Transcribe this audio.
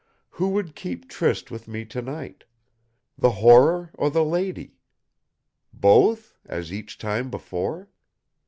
Who would keep tryst with me tonight? The Horror or the lady? Both; as each time before?